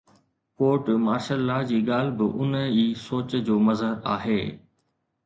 Court martial law جي ڳالهه به ان ئي سوچ جو مظهر آهي.